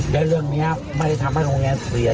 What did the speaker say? แล้วเรื่องนี้ไม่ได้ทำให้โรงเรียนเสีย